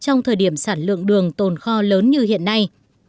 trong thời điểm sản lượng đường tồn kho lớn như hiện nay